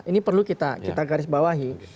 ini perlu kita garis bawahi